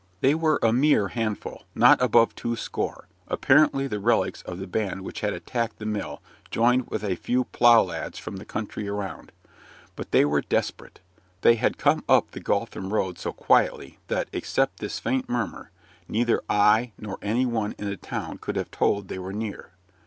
They were a mere handful not above two score apparently the relics of the band which had attacked the mill, joined with a few plough lads from the country around. But they were desperate; they had come up the Coltham road so quietly, that, except this faint murmur, neither I nor any one in the town could have told they were near.